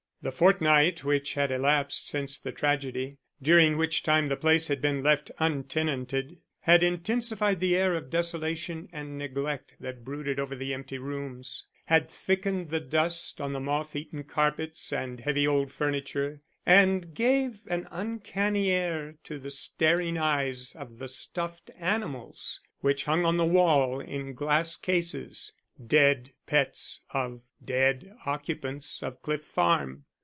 The fortnight which had elapsed since the tragedy during which time the place had been left untenanted had intensified the air of desolation and neglect that brooded over the empty rooms, had thickened the dust on the moth eaten carpets and heavy old furniture, and gave an uncanny air to the staring eyes of the stuffed animals which hung on the wall in glass cases dead pets of dead occupants of Cliff Farm.